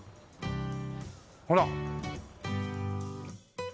ほら。